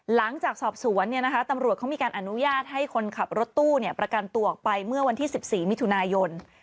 หลังจากสอบสวนตำรวจเขามีการอนุญาตให้คนขับรถตู้ประกันตัวออกไปเมื่อวันที่๑๔มิถุนายน